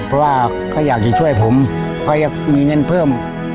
เพราะว่าเขาอยากจะช่วยผมเพราะอยากมีเงินเพิ่ม